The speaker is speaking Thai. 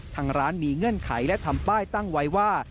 ทางร้านมีเงื่อนไขและทำป้ายตั้งไว้ว่า